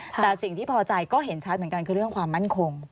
แต่สิ่งที่พอใจก็เห็นชัดเหมือนกันคือเรื่องความมั่นคง